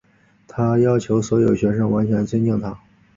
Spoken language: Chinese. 她要求所有学生完全尊敬她。